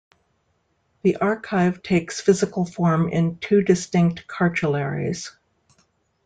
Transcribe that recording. The archive takes physical form in two distinct cartularies.